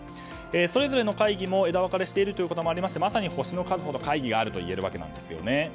それぞれの会議も枝分かれしていることもあってまさに星の数ほど会議があるといえるわけなんですね。